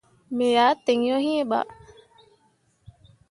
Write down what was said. Me ah tǝǝ yo iŋ bah.